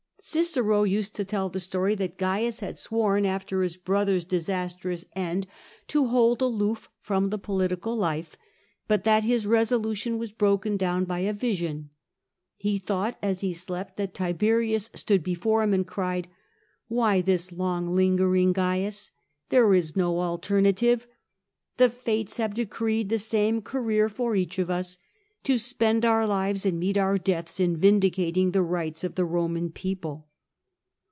Qicero used to tell a story that Oaius CAIUS GRACCHUS 56 had sworn after hiis "brother's disastrous end to bold aloof from the political life, but that his resolution was broken down by a vision. He thought, as he slept, that Tibeiius stood before him, and cried, ''Why this long lingering, Gains ? There is no alternative. The fates have decreed the same career for each of us — to spend our lives and meet our deaths in vindicating the rights of the Roman people.